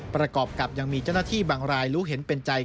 ประกอบกับยังมีเจ้าหน้าที่บางรายรู้เห็นเป็นใจ